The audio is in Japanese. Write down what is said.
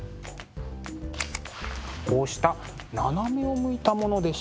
こうした斜めを向いたものでした。